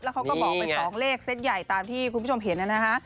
เขาก็บอกไป๒เลขเซ็ตใหญ่ตามที่คุณผู้ชมเห็นนะฮะ